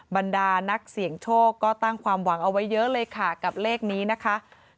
บรรดานักเสี่ยงโชคก็ตั้งความหวังเอาไว้เยอะเลยค่ะกับเลขนี้นะคะ